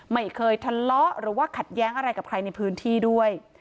ไม่เคยทะเลาะหรือว่าขัดแย้งอะไรกับใครในพื้นที่ด้วย